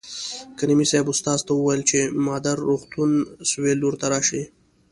کریمي صیب استاد ته وویل چې مادر روغتون سویل لور ته راشئ.